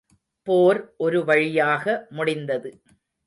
போர் ஒரு வழியாக முடிந்தது.